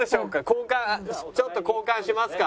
交換ちょっと交換しますか。